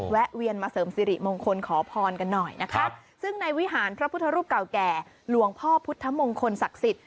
แวนมาเสริมสิริมงคลขอพรกันหน่อยนะคะซึ่งในวิหารพระพุทธรูปเก่าแก่หลวงพ่อพุทธมงคลศักดิ์สิทธิ